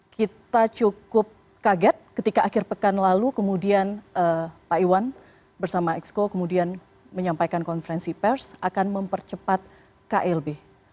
kita cukup kaget ketika akhir pekan lalu kemudian pak iwan bersama exco kemudian menyampaikan konferensi pers akan mempercepat klb